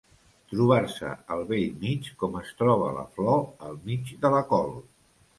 Trobar-se al bell mig com es troba la flor al mig de la col.